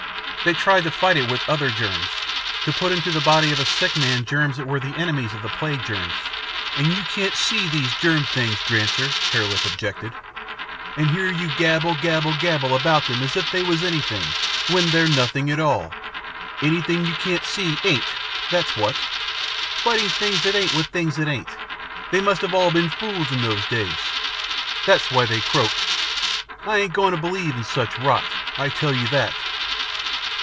They tried to fight it with other germs, to put into the body of a sick man germs that were the enemies of the plague germs " "And you can't see these germ things, Granser," Hare Lip objected, "and here you gabble, gabble, gabble about them as if they was anything, when they're nothing at all. Anything you can't see, ain't, that's what. Fighting things that ain't with things that ain't! They must have been all fools in them days. That's why they croaked. I ain't goin' to believe in such rot, I tell you that."